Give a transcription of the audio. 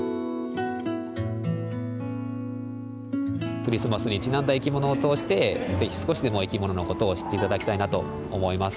クリスマスにちなんだ生き物を通してぜひ少しでも生き物のことを知ってもらいたいなと思います。